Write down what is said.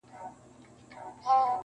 • خدای مي مین کړی پر غونچه د ارغوان یمه -